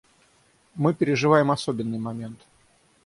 Мы переживаем особенный момент.